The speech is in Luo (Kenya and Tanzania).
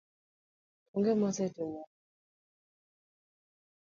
Ang'o mosetimore?